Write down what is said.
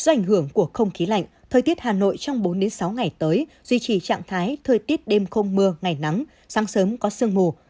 do ảnh hưởng của không khí lạnh thời tiết hà nội trong bốn sáu ngày tới duy trì trạng thái thời tiết đêm không mưa ngày nắng sáng sớm có sương mù